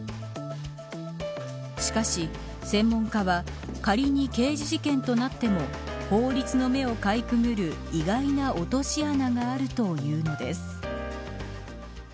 しかし、専門家は仮に刑事事件となっても法律の目をかいくぐる意外な落とし穴があるというのです。